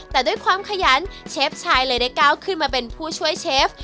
แต่ด้วยความขยันเชฟชายเลยได้ก้าวขึ้นมาเป็นผู้ช่วยเชฟ